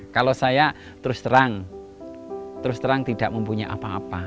kalau saya terus terang terus terang tidak mempunyai apa apa